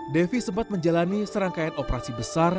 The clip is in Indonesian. devi sempat menjalani serangkaian operasi besar